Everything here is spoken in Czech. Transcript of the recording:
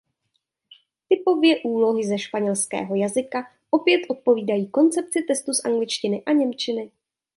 Typově úlohy ze španělského jazyka opět odpovídají koncepci testu z angličtiny a němčiny.